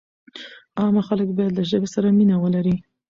عامه خلک باید له ژبې سره مینه ولري.